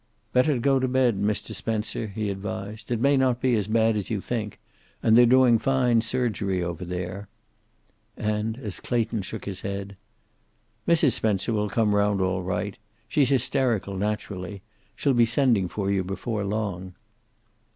"Better go to bed, Mr. Spencer," he advised. "It may not be as bad as you think. And they're doing fine surgery over there." And, as Clayton shook his head: "Mrs. Spencer will come round all right. She's hysterical, naturally. She'll be sending for you before long."